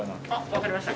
分かりました。